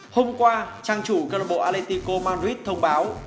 hôm qua trang chủ club aletico madrid thông báo